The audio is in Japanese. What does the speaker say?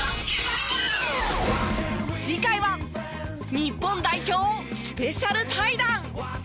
次回は日本代表スペシャル対談。